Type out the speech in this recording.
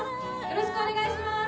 ・・よろしくお願いします！